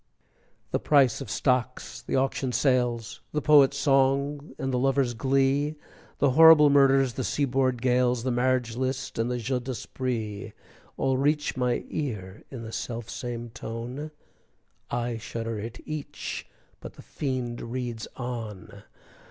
The price of stocks, the auction sales, The poet's song and the lover's glee, The horrible murders, the sea board gales, The marriage list, and the jeu d'esprit, All reach my ear in the self same tone, I shudder at each, but the fiend reads on!